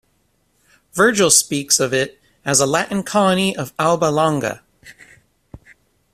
Virgil speaks of it as a Latin colony of Alba Longa.